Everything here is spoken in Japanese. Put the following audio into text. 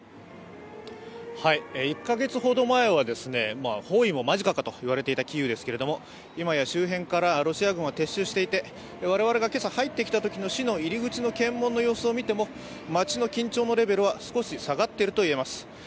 １カ月ほど前は、包囲も間近かといわれていたキーウですけれども今や周辺からロシア軍は撤収していて、我々が今朝入ってきたときの市の入り口の検問の様子を見ても、街の緊張のレベルは少し下がっているとみえます。